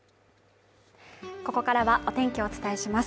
ここからはお天気をお伝えします。